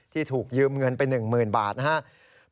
ที่ถูกยืมเงินไป๑๐๐๐บาทนะครับ